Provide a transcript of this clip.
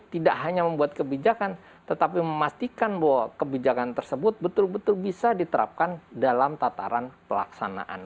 tidak hanya membuat kebijakan tetapi memastikan bahwa kebijakan tersebut betul betul bisa diterapkan dalam tataran pelaksanaan